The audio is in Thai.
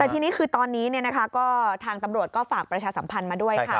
แต่ทีนี้คือตอนนี้ก็ทางตำรวจก็ฝากประชาสัมพันธ์มาด้วยค่ะ